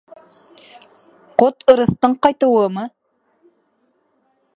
Ҡот-ырыҫтың ҡайтыуымы?